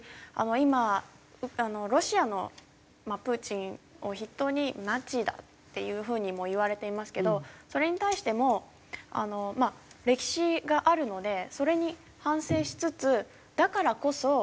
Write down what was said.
今ロシアのプーチンを筆頭にナチだっていう風にも言われていますけどそれに対してもまあ歴史があるのでそれに反省しつつだからこそ。